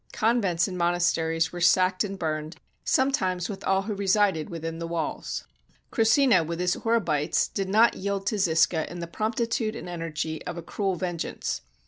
Convents and monasteries were sacked and burned, sometimes with all who resided within the walls. Krussina, with his Horebites, did not yield to Zisca in the promptitude and energy of a cruel vengeance.